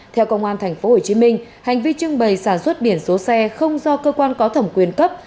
theo công an tp hcm hành vi trưng bày sản xuất biển số xe không do cơ quan có thẩm quyền cấp